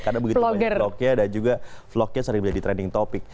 karena begitu banyak vlognya dan juga vlognya sering menjadi trending topic